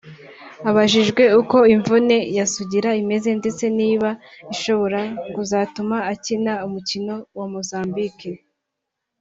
Abajwijwe uko imvune ya Sugira imeze ndetse niba ishobora kuzatuma akina umukino wa Mozambique